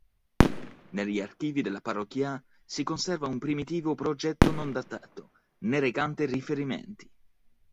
Negli archivi della Parrocchia si conserva un primitivo progetto non datato, né recante riferimenti.